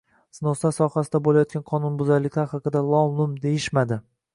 «snos»lar sohasida bo‘layotgan qonunbuzarliklar haqida lom-mim deyishmadi?